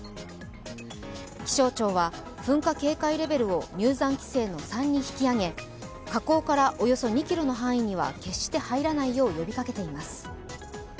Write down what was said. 気象庁は噴火警戒レベルを入山規制の３に引き上げ火口からおよそ２ｋｍの範囲には決して入らないよう呼びかけています。